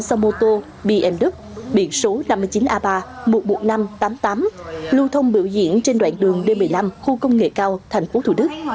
xe mô tô bmw biển số năm mươi chín a ba một mươi một nghìn năm trăm tám mươi tám lưu thông biểu diễn trên đoạn đường d một mươi năm khu công nghệ cao tp thủ đức